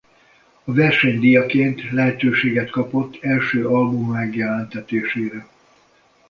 A verseny díjaként lehetőséget kapott első albuma megjelentetésére.